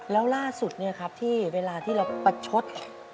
แล้วล่าสุดที่เวลาที่เราประชด